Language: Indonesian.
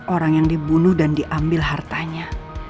orang yang dibunuh dan diambil hartanya